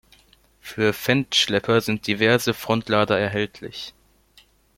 Für Fendt-Schlepper sind diverse Frontlader erhältlich.